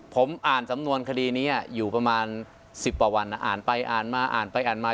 ผมอ่านสำนวนคดีนี้อยู่ประมาณ๑๐กว่าวันอ่านไปอ่านมาอ่านไปอ่านมา